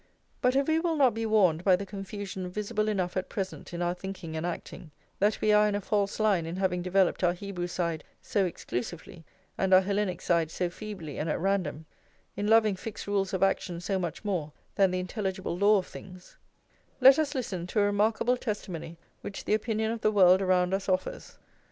But if we will not be warned by the confusion visible enough at present in our thinking and acting, that we are in a false line in having developed our Hebrew side so exclusively, and our Hellenic side so feebly and at random, in loving fixed rules of action so much more than the intelligible law of things, let us listen to a remarkable testimony which the opinion of the world around us offers.